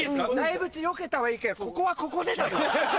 大仏よけたはいいけどここはここでだぞ。